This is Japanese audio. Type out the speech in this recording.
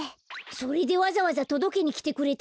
それでわざわざとどけにきてくれたの？